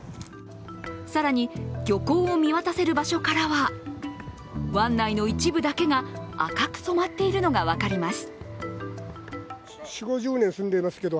更に、漁港を見渡せる場所からは湾内の一部だけが赤く染まっているのが分かります。